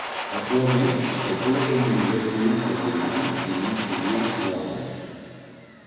Actualment es calcula que un milió viuen al Vietnam i mig milió a Laos.